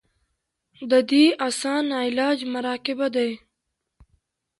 د دې اسان علاج مراقبه دے -